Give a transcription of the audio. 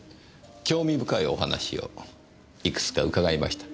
興味深いお話をいくつか伺いました。